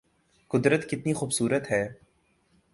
قدرت کتنی خوب صورت ہے